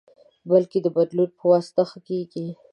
بلکې د بدلون پواسطه ښه کېږي.